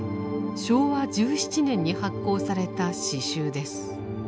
昭和１７年に発行された詩集です。